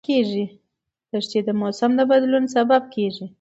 دښتې د موسم د بدلون سبب کېږي.